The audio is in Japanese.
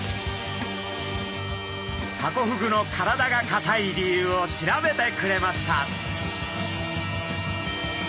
ハコフグの体がかたい理由を調べてくれました。